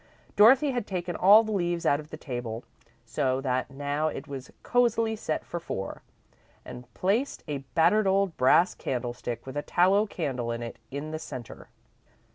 Dorothy had taken all the leaves out of the table, so that now it was cosily set for four, and placed a battered old brass candlestick, with a tallow candle in it, in the centre.